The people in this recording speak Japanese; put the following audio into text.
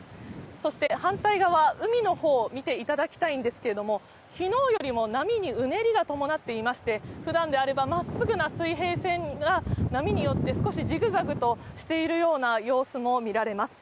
そして反対側、海の方を見ていただきたいんですけれども、きのうよりも波にうねりが伴っていまして、普段であれば、真っすぐな水平線が波によって少しジグザグしているような様子も見られます。